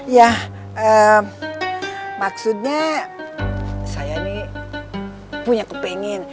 ya maksudnya saya ini punya kepengen